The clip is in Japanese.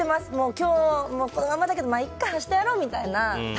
今日はこのままだけどまあいっか、明日やろうみたいな。